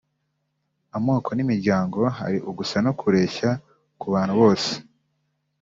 amoko n’imiryango hari ugusa no kureshya ku bantu bose